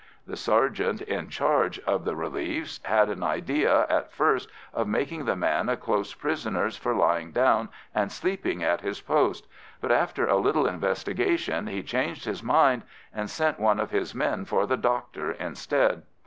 The sergeant in charge of the reliefs had an idea at first of making the man a close prisoner for lying down and sleeping at his post, but after a little investigation he changed his mind and sent one of his men for the doctor instead.